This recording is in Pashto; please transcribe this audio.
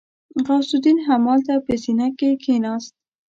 غوث الدين همالته په زينه کې کېناست.